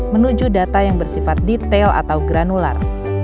menuju data yang bersifat detail atau granular